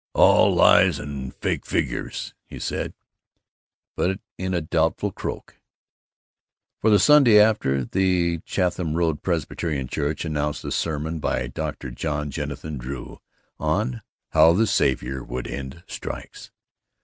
"All lies and fake figures," he said, but in a doubtful croak. For the Sunday after, the Chatham Road Presbyterian Church announced a sermon by Dr. John Jennison Drew on "How the Saviour Would End Strikes."